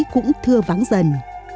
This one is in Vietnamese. cũng thưa vắng dần